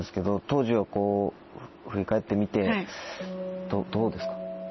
当時を振り返ってみてどうですか？